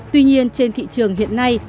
tuy nhiên trên thị trường hiện nay